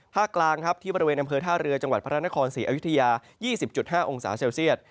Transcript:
กลางครับที่บริเวณอำเภอท่าเรือจังหวัดพระนครศรีอยุธยา๒๐๕องศาเซลเซียต